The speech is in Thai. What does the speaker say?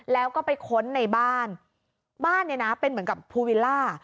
แล้วก็ไปค้นในบ้านบ้านเนี่ยนะเป็นเหมือนกับภูวิลล่า